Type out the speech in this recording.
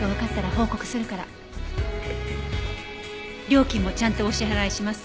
料金もちゃんとお支払いします。